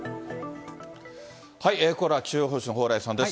ここからは気象予報士の蓬莱さんです。